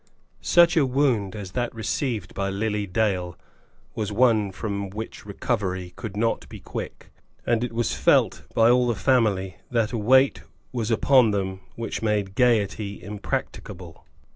Such a wound as that received by Lily Dale was one from which recovery could not be quick, and it was felt by all the family that a weight was upon them which made gaiety impracticable.